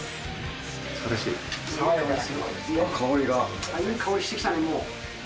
いい香りしてきたね、もう。